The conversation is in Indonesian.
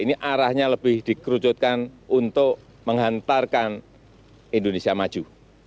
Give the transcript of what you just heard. ini arahnya lebih dikerucutkan untuk menghantarkan indonesia maju